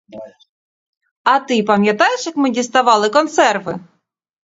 А ти пам'ятаєш, як ми діставали консерви?